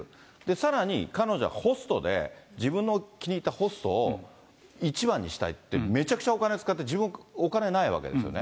さらに、彼女は、ホストで、自分の気に入ったホストを一番にしたいって、めちゃくちゃお金使って、自分はお金ないわけですよね。